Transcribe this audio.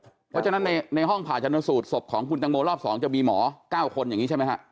เพราะฉะนั้นในห้องผ่าชนสูตรศพของคุณตังโมรอบ๒จะมีหมอ๙คนอย่างนี้ใช่ไหมฮะ